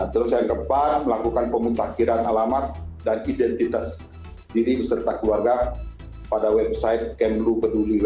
terus yang keempat melakukan pemutakhiran alamat dan identitas diri beserta keluarga pada website kemlu peduli